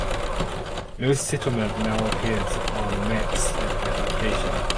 No settlement now appears on maps at that location.